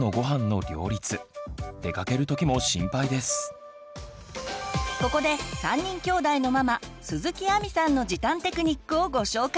更に降籏さんが気になるのはここで３人きょうだいのママ鈴木亜美さんの時短テクニックをご紹介！